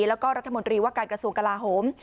แล้วก็รัฐมนตรีว่าการกระทรวงกลาโหม